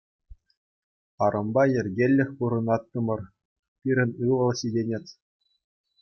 Арӑмпа йӗркеллех пурӑнаттӑмӑр, пирӗн ывӑл ҫитӗнет.